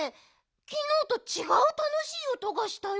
きのうとちがうたのしいおとがしたよ。